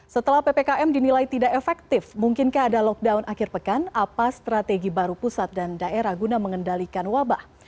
setelah ppkm dinilai tidak efektif mungkinkah ada lockdown akhir pekan apa strategi baru pusat dan daerah guna mengendalikan wabah